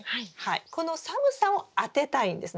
この寒さをあてたいんですね。